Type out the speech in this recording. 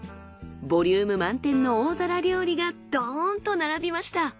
ボリューム満点の大皿料理がドーンと並びました。